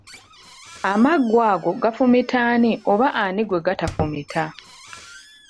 Amaggwa ago gafumita ani oba ani gwe gatafumita?